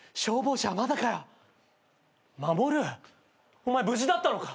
お前無事だったのか？